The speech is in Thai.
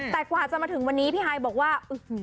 แต่กว่าจะมาถึงวันนี้พี่ฮายบอกว่า